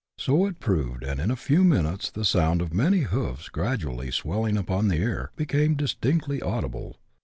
So it proved ; and in a few nunutes the .«^ouiui oi uumy iuh>is, gradually swelling upon the ear, became distinctly audible.